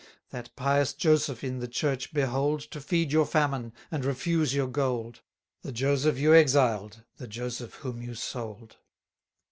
That pious Joseph in the Church behold, To feed your famine, and refuse your gold: The Joseph you exiled, the Joseph whom you sold.